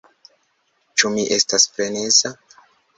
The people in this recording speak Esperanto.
Ĉu mi estas freneza?